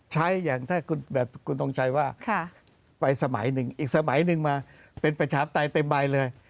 ใช้อย่างถ้าคุณทงชัยว่าไปสมัยหนึ่งอีกสมัยหนึ่งมาเป็นประชาปไตยเต็มใบเลย